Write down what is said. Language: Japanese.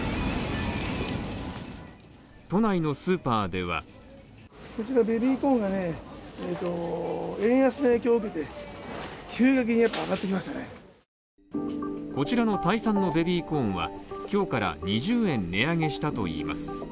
都内のスーパーではこちらのタイ産のベビーコーンは今日から２０円値上げしたといいます。